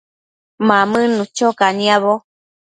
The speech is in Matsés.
Mamënnu cho caniabo